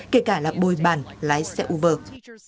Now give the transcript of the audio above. kể cả là bồi bàn lái xe uber